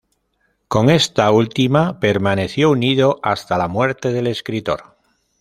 Con esta última permaneció unido hasta la muerte del escritor.